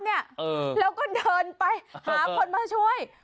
แล้วก็เดินไปหาคนมาช่วย